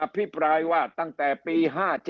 พิปรายว่าตั้งแต่ปี๕๗